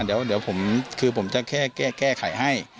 เดี๋ยวผมจะแก้ไขให้